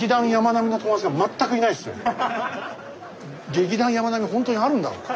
劇団山脈はほんとにあるんだろうか。